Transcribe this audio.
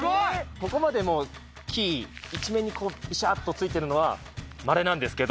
ここまで木一面にびしゃっとついているのはまれなんですけど。